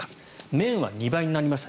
麺は２倍になりました